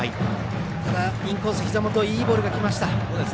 ただインコースひざ元いいボールがきました。